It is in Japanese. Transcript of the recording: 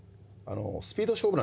スピード勝負。